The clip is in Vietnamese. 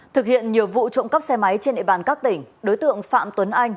thực hiện nhiều vụ trộm cắp xe máy trên địa bàn các tỉnh đối tượng phạm tuấn anh